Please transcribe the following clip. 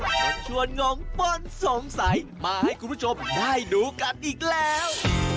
จะชวนงงป้นสงสัยมาให้คุณผู้ชมได้ดูกันอีกแล้ว